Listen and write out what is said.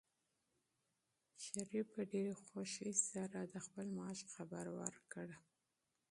شریف په ډېرې خوښۍ سره د خپل معاش خبر ورکړ.